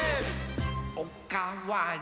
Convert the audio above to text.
「お・か・わ・り！」